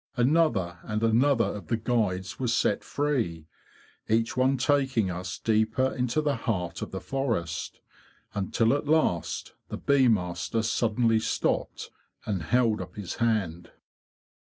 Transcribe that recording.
Another and another of the guides was set free, each one taking us deeper into the heart of the forest, until at last the bee master suddenly stopped and held up his hand.